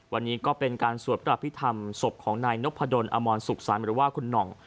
วันนี้ก็เป็นการสวดพระอภิษฐรรมศพของนายนพดลอมรสุขสรรค์หรือว่าคุณหน่อง